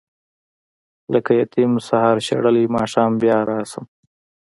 لکه یتیم سهار شړلی ماښام بیا راشم.